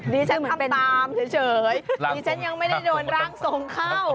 ดิฉันทำตามเฉยดิฉันยังไม่ได้โดนร่างทรงเข้า